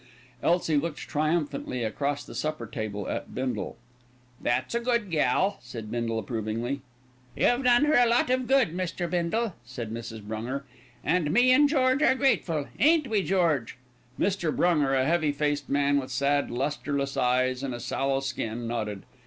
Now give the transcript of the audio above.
Elsie looked triumphantly across the supper table at Bindle. "That's a good gal," said Bindle approvingly. "You've done her a lot of good, Mr. Bindle," said Mrs. Brunger, "and me and George are grateful, ain't we, George?" Mr. Brunger, a heavy faced man with sad, lustreless eyes and a sallow skin, nodded.